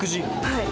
はい。